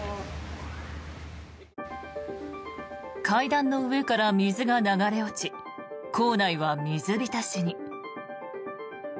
階段の上から水が流れ落ち構内は水浸しに。